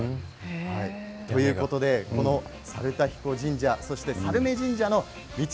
ということで、この猿田彦神社そして佐瑠女神社のみち